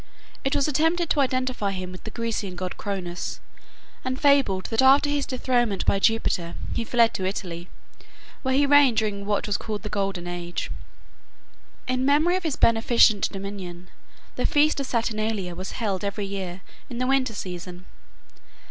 It was attempted to identify him with the Grecian god Cronos, and fabled that after his dethronement by Jupiter he fled to Italy, where he reigned during what was called the Golden Age. In memory of his beneficent dominion, the feast of Saturnalia was held every year in the winter season.